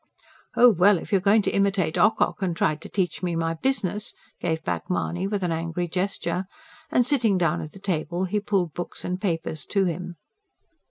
"Oh, well, if you're going to imitate Ocock and try to teach me my business!" gave back Mahony with an angry gesture, and sitting down at the table, he pulled books and papers to him.